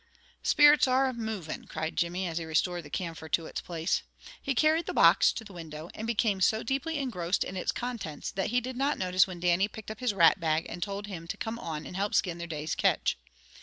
"Spirits are movin'," cried Jimmy, as he restored the camphor to its place. He carried the box to the window, and became so deeply engrossed in its contents that he did not notice when Dannie picked up his rat bag and told him to come on and help skin their day's catch.